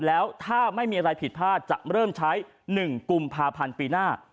แล้วถ้าไม่มีอะไรผิดพลาดจะเริ่มใช้๑กุมภาพันธ์ปีหน้า